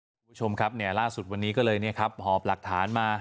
คุณผู้ชมครับล่าสุดวันนี้ก็เลยหอบหลักฐานมา